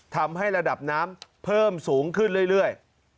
ทำให้ระดับน้ำเพิ่มสูงขึ้นเรื่อย